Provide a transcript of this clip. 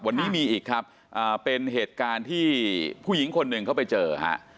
วันนี้มีอีกครับเป็นเหตุการณ์ที่ผู้หญิงคนหนึ่งเขาไปเจอฮะ